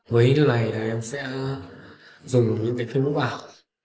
với đối tượng này em sẽ dùng những phương pháp ảo